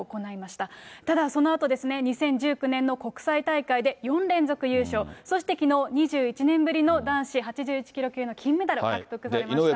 ただそのあとですね、２０１９年の国際大会で４連続優勝、そしてきのう、２１年ぶりの男子８１キロ級の金メダルを獲得されました。